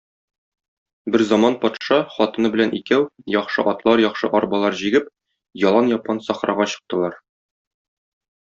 Берзаман патша, хатыны белән икәү, яхшы атлар, яхшы арбалар җигеп, ялан-япан сахрага чыктылар.